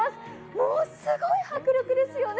もうすごい迫力ですよね。